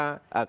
klaten itu apa